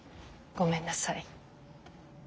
ごめんなさい。